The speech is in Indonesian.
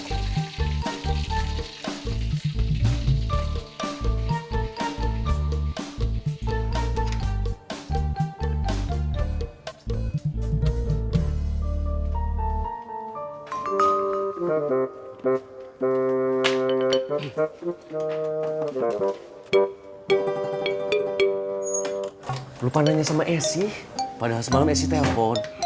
eh lupa nanya sama esy padahal semalam esy telfon